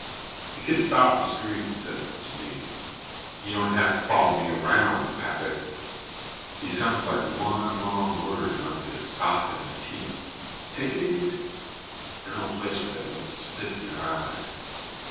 The kid stopped in the street and said to me: "You don't have to follow me around, Pappy." He sounded like one wrong word and I would get socked in the teeth. "Take it easy. I know a place where they won't spit in your eye."